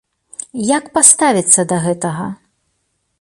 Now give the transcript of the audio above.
Як паставіцца да гэтага?